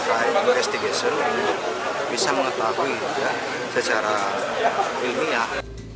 lain investigasi bisa mengetahui secara ilmiah